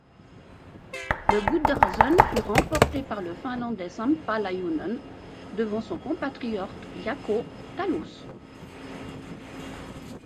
Le Gundersen fut remporté par le Finlandais Samppa Lajunen devant son compatriote Jaakko Tallus.